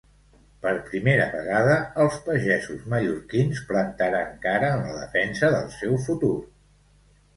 Per primera vegada els pagesos mallorquins plantaren cara en la defensa del seu futur.